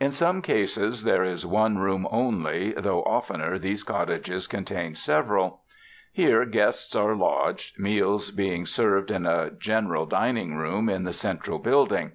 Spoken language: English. In some cases there is one room only, though oftener these cottages contain several. Here gnests are lodged, meals being served in a general dining room in the central building.